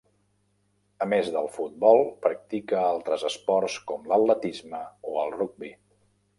A més del futbol, practicà altres esports com l'atletisme o el rugbi.